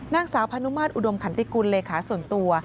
นางสาวพานุมาตรอุดมขันติกุลเลขาส่วนตัว